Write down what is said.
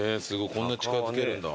こんな近づけるんだ。